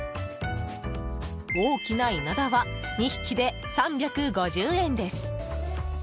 大きなイナダは２匹で３５０円です。